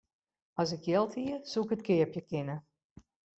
As ik jild hie, soe ik it keapje kinne.